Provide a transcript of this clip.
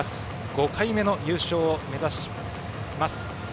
５回目の優勝を目指します。